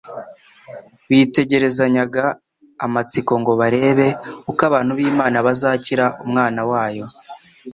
Bitegerezanyaga amatsiko ngo barebe uko abantu b'Imana bazakira Umwana wayo,